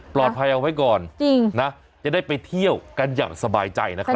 ปลอดภัยเอาไว้ก่อนนะจะได้ไปเที่ยวกันอย่างสบายใจนะครับ